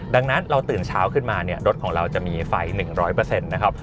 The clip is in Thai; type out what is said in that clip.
ดังนั้นเราตื่นเช้าขึ้นมาเนี่ยรถของเราจะมีไฟ๑๐๐นะครับ